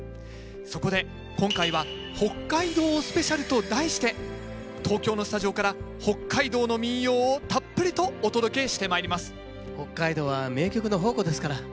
そこで今回は「北海道スペシャル」と題して東京のスタジオから北海道の民謡をたっぷりとお届けしてまいります。